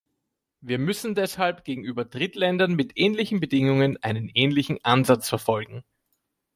Wir müssen deshalb gegenüber Drittländern mit ähnlichen Bedingungen einen ähnlichen Ansatz verfolgen.